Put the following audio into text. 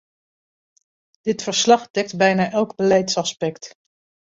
Dit verslag dekt bijna elk beleidsaspect.